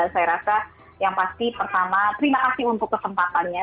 saya rasa yang pasti pertama terima kasih untuk kesempatannya